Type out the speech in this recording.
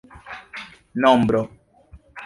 nombro